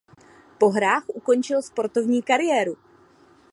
Po hrách ukončil sportovní kariéru.